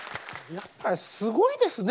やっぱりすごいですね